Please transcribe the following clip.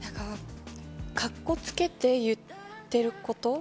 カッコつけて言ってること？